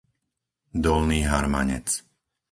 Dolný Harmanec